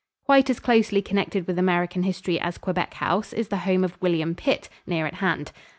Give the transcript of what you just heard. Quite as closely connected with American history as Quebec House is the home of William Pitt, near at hand.